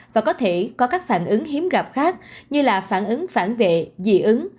và có thể có các phản ứng hiếm gặp khác như là phản ứng phản vệ dị ứng